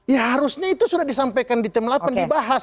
ya harusnya itu sudah disampaikan di tim delapan dibahas